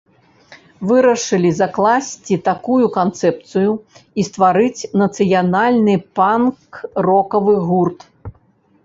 Вырашылі закласці такую канцэпцыю і стварыць нацыянальны панк-рокавы гурт.